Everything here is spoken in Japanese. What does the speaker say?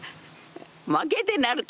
負けてなるか！